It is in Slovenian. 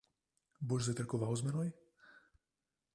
Boš zajtrkoval z menoj?